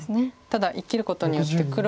ただ生きることによって黒。